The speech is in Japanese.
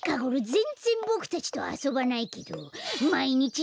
ぜんぜんボクたちとあそばないけどまいにちどこにいって。